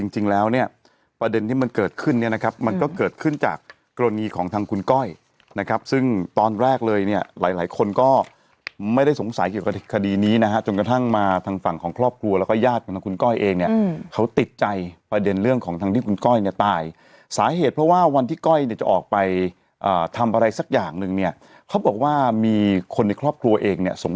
จริงแล้วเนี่ยประเด็นที่มันเกิดขึ้นเนี่ยนะครับมันก็เกิดขึ้นจากกรณีของทางคุณก้อยนะครับซึ่งตอนแรกเลยเนี่ยหลายหลายคนก็ไม่ได้สงสัยเกี่ยวกับคดีนี้นะฮะจนกระทั่งมาทางฝั่งของครอบครัวแล้วก็ญาติของทางคุณก้อยเองเนี่ยเขาติดใจประเด็นเรื่องของทางที่คุณก้อยเนี่ยตายสาเหตุเพราะว่าวันที่ก้อยเนี่ยจะออกไปทำอะไรสักอย่างหนึ่งเนี่ยเขาบอกว่ามีคนในครอบครัวเองเนี่ยสง